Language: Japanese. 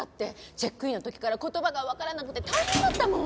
チェックインの時から言葉がわからなくて大変だったもん。